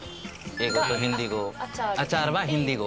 英語とヒンディー語アチャールはヒンディー語。